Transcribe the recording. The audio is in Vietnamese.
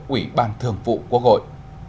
ủy ban thường vụ quốc hội